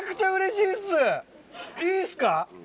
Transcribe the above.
いいっすか！